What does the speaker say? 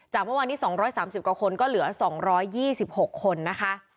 เมื่อวานนี้๒๓๐กว่าคนก็เหลือ๒๒๖คนนะคะ